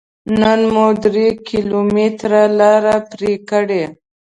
نن مو درې کيلوميټره لاره پرې کړه.